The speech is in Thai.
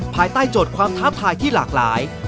ภายใต้โจทย์ความท้าทายที่หลากหลาย